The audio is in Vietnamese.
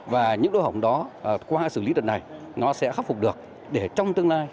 và những lỗ hổng đó qua xử lý đợt này nó sẽ khắc phục được để trong tương lai